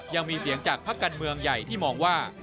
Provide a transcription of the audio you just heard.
ยังมีเสียงจากพักการเมืองใหญ่ที่มองว่า